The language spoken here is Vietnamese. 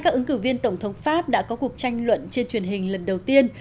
các ứng cử viên tổng thống pháp đã có cuộc tranh luận trên truyền hình lần đầu tiên